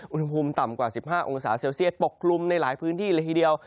อุณหภูมิต่ำกว่า๑๕องศาเซลเซียตปกกลุ่มในหลายพื้นที่เลยทีเดียว